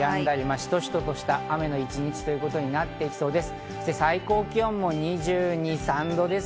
しとしととした雨の一日ということになっていきそうです。